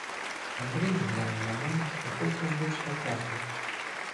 Андрій глянув на мене якось незвично тепло.